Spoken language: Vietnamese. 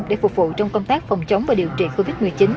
để phục vụ trong công tác phòng chống và điều trị covid một mươi chín